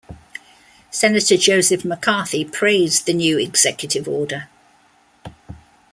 Senator Joseph McCarthy praised the new Executive Order.